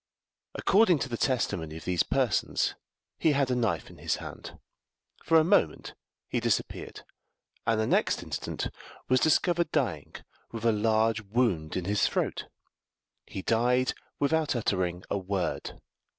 According to the testimony of these persons he had a knife in his hand. For a moment he disappeared, and the next instant was discovered dying, with a large wound in his throat; he died without uttering a word.